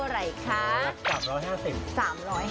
ราคาเท่าไรคะ